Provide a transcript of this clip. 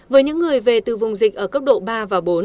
với những người về từ vùng dịch ở cấp độ ba và bốn